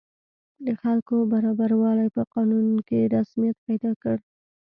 د خلکو برابروالی په قانون کې رسمیت پیدا کړ.